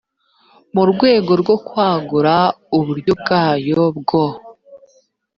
mu rwego rwo kwagura uburyo bwayo bwo